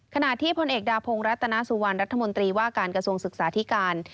ขณะที่พลเอกดาพงศ์รัตนาสุวรรณรัฐมนตรีว่าการกระทรวงศึกษาธิการ